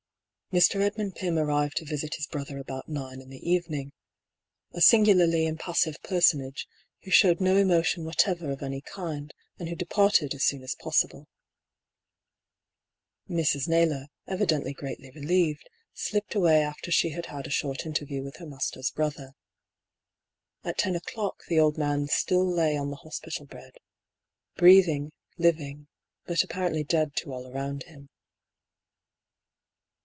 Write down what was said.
Mr. Edmund Pym arrived to visit his brother about nine in the evening : a singularly impassive personage, who showed no emotion whatever of any kind, and who departed as soon as possible. Mrs. Naylor, evidently greatly relieved, slipped away after she had had a short interview with her master's brother. At ten o'clock the old man still lay on the hospital bed — ^breathing, living, but apparently dead to all around him.